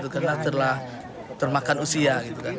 karena telah termakan usia